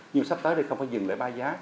nhưng sắp tới đây không phải dừng lại ba giá